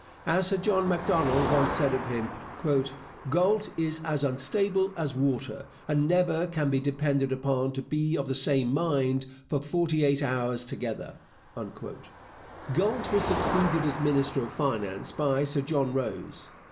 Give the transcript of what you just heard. As Sir John Macdonald once said of him, 'Galt is as unstable as water, and never can be depended upon to be of the same mind for forty eight hours together.' Galt was succeeded as minister of Finance by Sir John Rose.